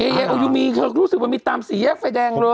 เอออยูมีแค่็งรู้สึกว่ามีตามสีเหลือกไฟแดงเลย